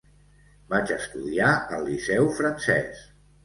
Vaig estudiar al Liceu Francès.